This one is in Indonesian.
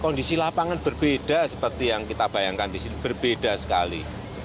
kondisi lapangan berbeda seperti yang kita bayangkan di sini berbeda sekali